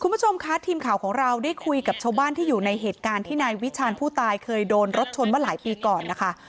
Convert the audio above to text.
คุณผู้ชมคะทีมข่าวของเราได้คุยกับชาวบ้านที่อยู่ในเหตุการณ์ที่นายวิชาญผู้ตายเคยโดนรถชนมาหลายปีก่อนนะคะ